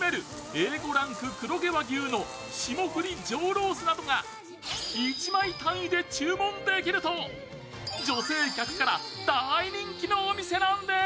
Ａ５ランク霜降り上ロースが１枚単位で注文できると女性客から大人気のお店なんです。